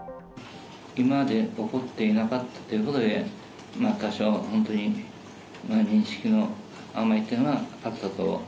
今まで起こっていなかったということで、多少、本当に認識の甘い点はあったと。